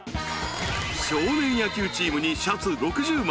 ［少年野球チームにシャツ６０枚。